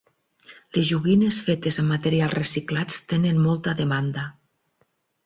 Les joguines fetes amb materials reciclats tenen molta demanda.